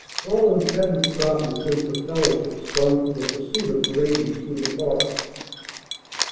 Rawlins hadn't forgotten the sense of fellowship sprung from the pursuit of Paredes through the forest.